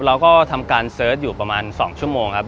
เราก็ทำการเสิร์ชอยู่ประมาณ๒ชั่วโมงครับ